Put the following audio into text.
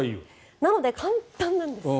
なので簡単なんです。